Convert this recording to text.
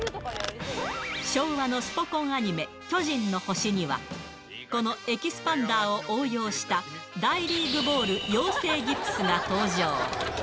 昭和のスポ根アニメ、巨人の星には、このエキスパンダーを応用した大リーグボール養成ギプスが登場。